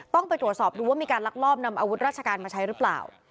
ต้องไปตรวจสอบดูว่ามีการลักลอบนำอาวุธราชการมาใช้หรือเปล่า